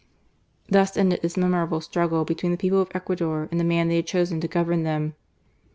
Thus ended this memorable struggle between the people of Ecuador and the man tfae^ had chosen to govern them.